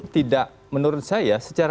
tidak menurut saya secara